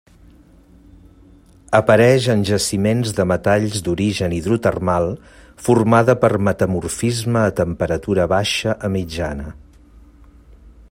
Apareix en jaciments de metalls d'origen hidrotermal, formada per metamorfisme a temperatura baixa a mitjana.